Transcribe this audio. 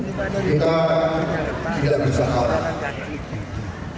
dan itu adalah sifat sifat